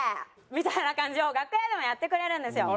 みたいな感じを楽屋でもやってくれるんですよ。